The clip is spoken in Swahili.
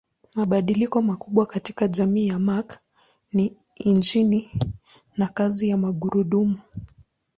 Mabadiliko makubwa katika jamii ya Mark ni injini na kazi ya magurudumu.